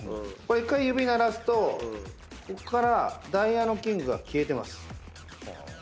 １回指鳴らすとこっからダイヤのキングが消えてます。